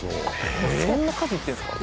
そんな数行ってんですか？